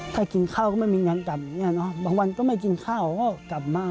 ถ้ากินข้าวก็ไม่มีเงินกลับบางวันก็ไม่กินข้าวก็กลับมา